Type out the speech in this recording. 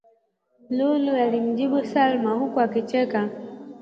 Lulu alimjibu Salma huku akicheka